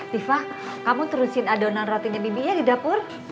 viva kamu terusin adonan ratunya bibinya di dapur